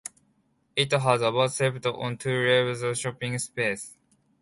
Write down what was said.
It has about spread on two levels of shopping space.